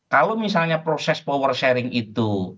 kalau misalnya proses power sharing itu